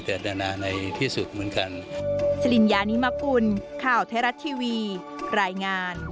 แต่ด่านาในที่สุดเหมือนกัน